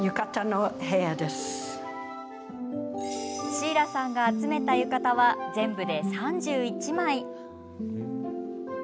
シーラさんが集めた浴衣は全部で３１枚。